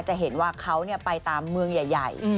จะเห็นว่าเขาไปตามเมืองใหญ่